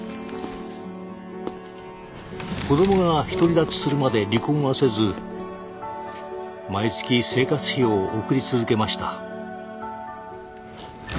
子どもが独り立ちするまで離婚はせず毎月生活費を送り続けました。